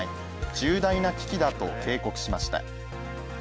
重大な危機だ」と警告しました。